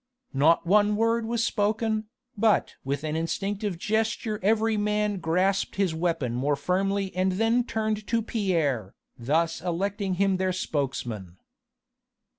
Not one word was spoken, but with an instinctive gesture every man grasped his weapon more firmly and then turned to Pierre, thus electing him their spokesman.